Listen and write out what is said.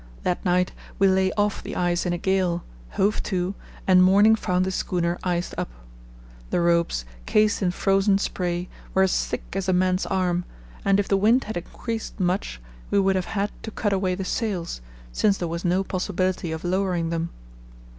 That night we lay off the ice in a gale, hove to, and morning found the schooner iced up. The ropes, cased in frozen spray, were as thick as a man's arm, and if the wind had increased much we would have had to cut away the sails, since there was no possibility of lowering them.